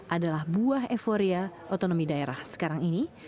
adalah buah euforia otonomi daerah sekarang ini